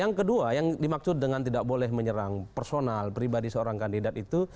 yang kedua yang dimaksud dengan tidak boleh menyerang personal pribadi seorang kandidat itu